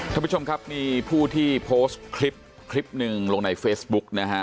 ท่านผู้ชมครับมีผู้ที่โพสต์คลิปคลิปหนึ่งลงในเฟซบุ๊กนะฮะ